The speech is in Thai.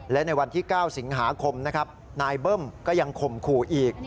และในวันที่๙สิงหาคมนะครับนายเบิ้มก็ยังข่มขู่อีก